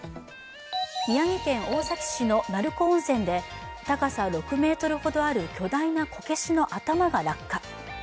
宮城県大崎市の鳴子温泉で高さ６ｍほどある巨大なこけしの頭が落下。